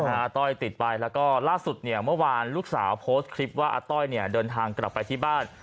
อาต้อยติดไปแล้วก็ล่าสุดเนี่ยเมื่อวานลูกสาวโพสต์คลิปว่าอาต้อยเนี่ยเดินทางกลับไปที่บ้าน